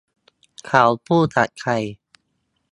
เขาพูดกับใคร